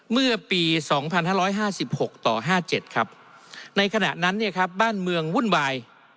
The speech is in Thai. เมื่อปี๒๕๕๖ต่อ๕๗ครับในขณะนั้นเนี่ยครับบ้านเมืองวุ่นวาย